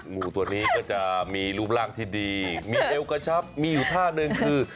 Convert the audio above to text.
งูตัวนี้ก็จะมีรูปร่างที่ดีมีเอวกระชับมีอยู่ท่าหนึ่งคือ